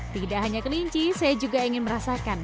tidak hanya kelinci saya juga ingin merasakan